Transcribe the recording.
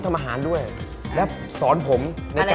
เพราะฉะนั้นถ้าใครอยากทานเปรี้ยวเหมือนโป้แตก